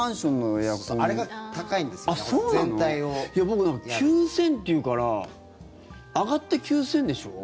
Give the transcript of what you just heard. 僕、９０００円っていうから上がって９０００円でしょ？